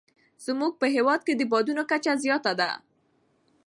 زموږ په هېواد کې د بادونو کچه زیاته ده.